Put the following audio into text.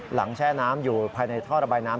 แช่น้ำอยู่ภายในท่อระบายน้ำ